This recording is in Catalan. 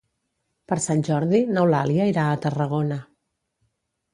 Per Sant Jordi n'Eulàlia irà a Tarragona.